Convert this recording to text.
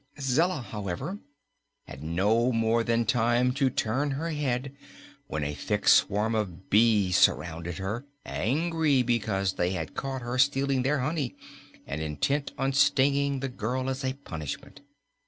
Zella, however, had no more than time to turn her head when a thick swarm of bees surrounded her, angry because they had caught her stealing their honey and intent on stinging the girl as a punishment.